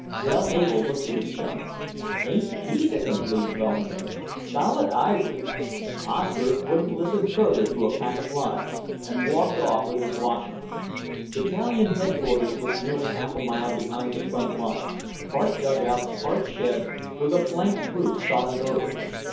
Dell Able looked at his chum. "Ain't he the complete bonehead? Solid ivory!" Oscar wouldn't listen further to a "pack of lies" and walked off with his washing. .......... Battalion Headquarters was nearly half a mile behind the front line, part dugout, part shed, with a plank roof sodded over.